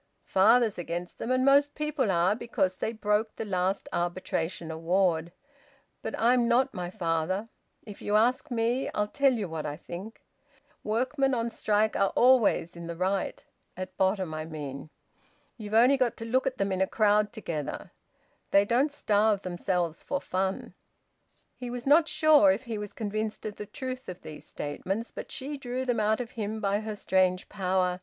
"Father's against them, and most people are, because they broke the last arbitration award. But I'm not my father. If you ask me, I'll tell you what I think workmen on strike are always in the right; at bottom I mean. You've only got to look at them in a crowd together. They don't starve themselves for fun." He was not sure if he was convinced of the truth of these statements; but she drew them out of him by her strange power.